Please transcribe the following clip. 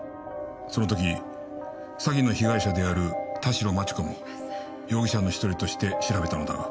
その時詐欺の被害者である田代万智子も容疑者の一人として調べたのだが。